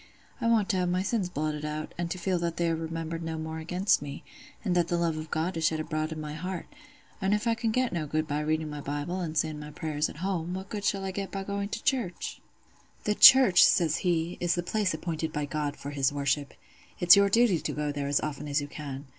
I want to have my sins blotted out, and to feel that they are remembered no more against me, and that the love of God is shed abroad in my heart; and if I can get no good by reading my Bible an' saying my prayers at home, what good shall I get by going to church?'" "'The church,' says he, 'is the place appointed by God for His worship. It's your duty to go there as often as you can.